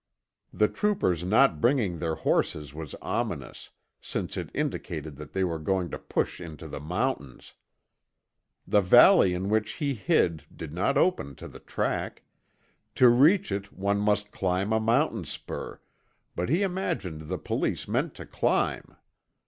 The troopers not bringing their horses was ominous, since it indicated that they were going to push into the mountains. The valley in which he hid did not open to the track; to reach it one must climb a mountain spur, but he imagined the police meant to climb.